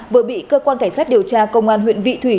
vừa bị cơ quan cảnh sát điều tra công an huyện vị thủy